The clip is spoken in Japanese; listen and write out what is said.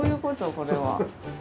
これは。